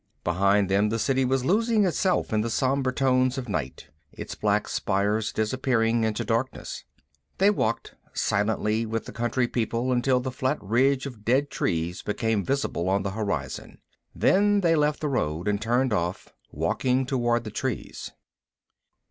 Behind them the City was losing itself in the sombre tones of night, its black spires disappearing into darkness. They walked silently with the country people until the flat ridge of dead trees became visible on the horizon. Then they left the road and turned off, walking toward the trees.